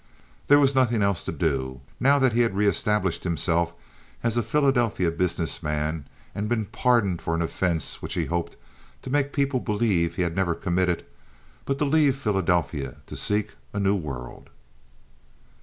There was nothing else to do, now that he had reestablished himself as a Philadelphia business man and been pardoned for an offense which he hoped to make people believe he had never committed, but to leave Philadelphia to seek a new world.